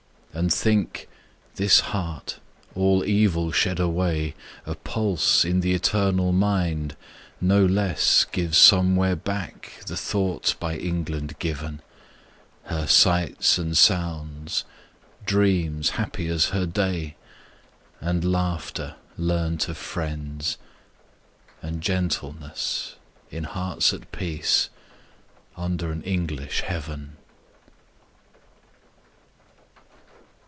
And think, this heart, all evil shed away, A pulse in the eternal mind, no less Gives somewhere back the thoughts by England given; Her sights and sounds; dreams happy as her day; And laughter, learnt of friends; and gentleness, In hearts at peace, under an English heaven.